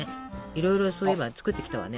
いろいろそういえば作ってきたわね。